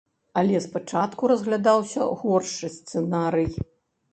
Але спачатку разглядаўся горшы сцэнарый.